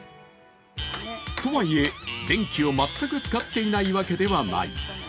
とはいえ、電気を全く使っていないわけではない。